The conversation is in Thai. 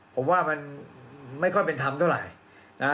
ผมว่ามันไม่ค่อยเป็นธรรมเท่าไหร่นะ